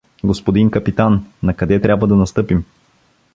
— Господин капитан, накъде трябва да настъпим?